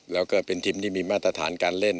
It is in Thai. แล้วก็เป็นทีมที่มีมาตรฐานการเล่น